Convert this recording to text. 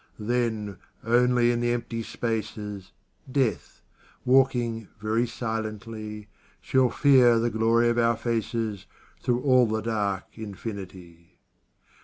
Then only in the empty spaces, Death, walking very silently, Shall fear the glory of our faces Through all the dark infinity.